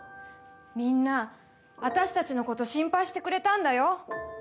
みんな私たちの事心配してくれたんだよドンタン。